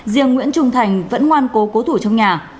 riêng nguyễn trung thành vẫn ngoan cố cố thủ trong nhà